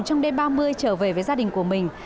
trong đêm ba mươi trở về với gia đình của mình